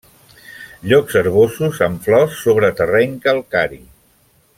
Llocs herbosos amb flors, sobre terreny calcari.